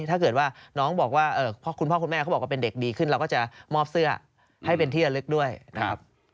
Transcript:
ถ้าเกิดว่าน้องบอกว่าคุณพ่อคุณแม่เขาบอกว่าเป็นเด็กดีขึ้นเราก็จะมอบเสื้อให้เป็นที่ระลึกด้วยนะครับ